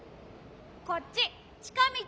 こっちちかみち。